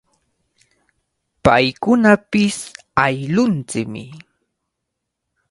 Paykunapish ayllunchikmi.